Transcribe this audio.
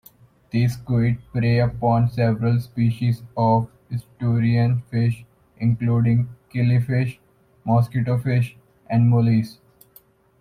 The squid prey upon several species of estuarine fish, including: killifish, mosquitofish and mollies.